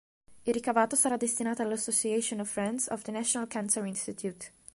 Il ricavato sarà destinato all’Association of Friends of the National Cancer Institute.